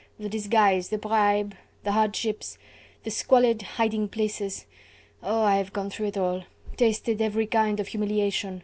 the disguise... the bribe... the hardships... the squalid hiding places.... Oh! I have gone through it all... tasted every kind of humiliation...